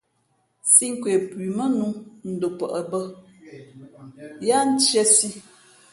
Sī nkwe pʉ mά nnū ndopαʼ bᾱ yáá ntīēsī.